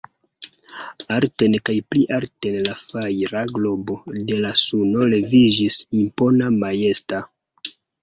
Alten kaj pli alten la fajra globo de la suno leviĝis, impona, majesta.